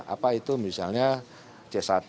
apa itu misalnya c satu